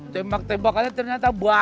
tembak tembakannya ternyata bahaya